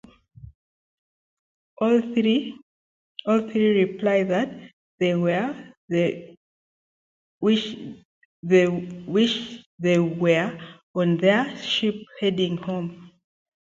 All three reply that they wish they were on their ship heading for home.